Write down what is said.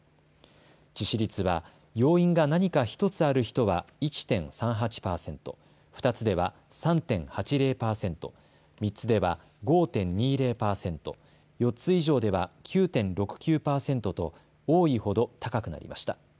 致死率は要因が何か１つある人は１．３８％、２つでは３．８０％、３つでは５．２０％、４つ以上では９．６９％と多いほど高くなりました。